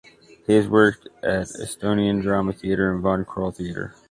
She has worked at Estonian Drama Theatre and Von Krahl Theatre.